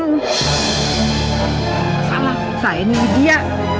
omah salah saya ini widya